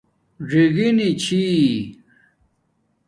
ژِی گہ چھا